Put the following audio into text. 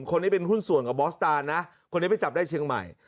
คนนี้เป็นหุ้นส่วนกับบอสตานนะคนนี้ไปจับได้เชียงใหม่